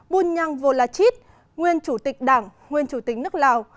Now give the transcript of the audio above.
bunyang volachit nguyên chủ tịch đảng nguyên chủ tịch nước lào